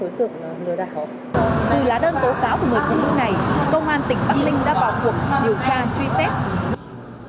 từ lá đơn tố cáo của người phụ nữ này công an tỉnh bắc ninh đã vào cuộc điều tra truy xét